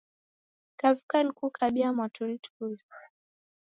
Kavika nikukabia mwatulituli.